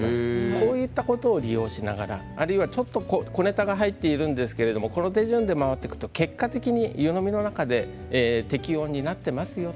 こういったことを利用しながらあるいはちょっと小ネタが入っていますがこの手順で回っていくと結果的に湯飲みの中で適温になっていますよ。